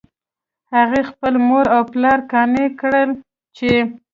هغې خپل مور او پلار قانع کړل چې